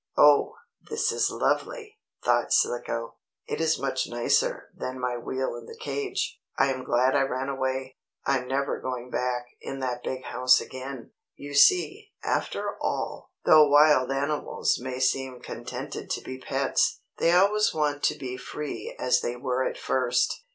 "Oh, this is lovely!" thought Slicko. "It is much nicer than my wheel in the cage. I am glad I ran away. I am never going back in the big house again." You see, after all, though wild animals may seem contented to be pets, they always want to be free as they were at first.